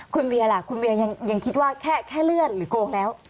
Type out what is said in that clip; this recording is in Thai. คุณเวียล่ะคุณเวียยังคิดว่าแค่เลื่อนหรือโกงแล้ว